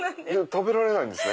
食べられないんですね？